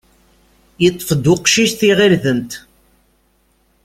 Yeṭṭef-d uqcic tiɣirdemt.